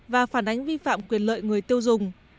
và phản ánh vi phạm quyền lợi người tiêu dùng